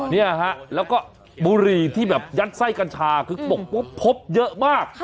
เนี่ยฮะแล้วก็บุหรี่ที่แบบยัดไส้กัญชาคือตกปุ๊บพบเยอะมาก